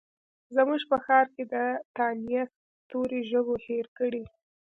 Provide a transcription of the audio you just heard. زموږ په ښارکې د تانیث توري ژبو هیر کړي